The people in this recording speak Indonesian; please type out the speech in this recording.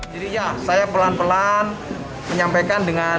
jadi ya saya pelan pelan menyampaikan dengan